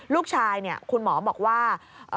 ลูกชายเนี่ยคุณหมอบอกว่า